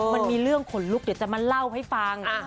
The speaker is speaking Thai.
มันมีเรื่องขนลุกเดี๋ยวจะมาเล่าให้ฟัง